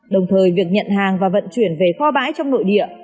đồng thời việc nhận hàng và vận chuyển về kho bãi trong nội địa